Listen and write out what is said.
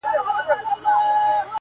زه درڅخه ځمه ته اوږدې شپې زنګوه ورته،